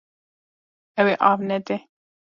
Ew ê av nede.